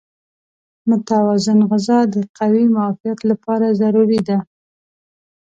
متوازن غذا د قوي معافیت لپاره ضروري ده.